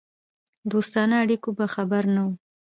دوستانه اړیکو به خبر نه وو.